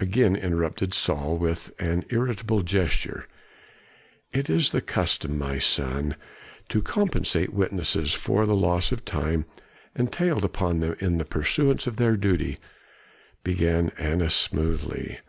again interrupted Saul with an irritable gesture. "It is the custom, my son, to compensate witnesses for the loss of time entailed upon them in the pursuance of their duty," began Annas smoothly.